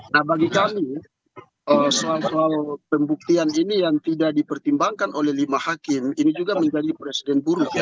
nah bagi kami soal soal pembuktian ini yang tidak dipertimbangkan oleh lima hakim ini juga menjadi presiden buruk